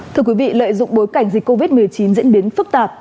thưa quý vị lợi dụng bối cảnh dịch covid một mươi chín diễn biến phức tạp